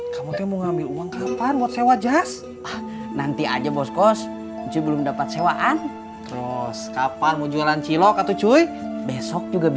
sampai jumpa di video selanjutnya